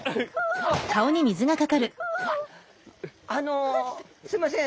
あのすいません